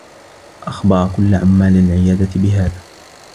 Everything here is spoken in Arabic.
أخبر كلّ عمّال العيادة بهذا.